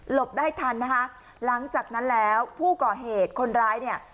ได้ทันนะคะหลังจากนั้นแล้วผู้ก่อเหตุคนร้ายเนี่ย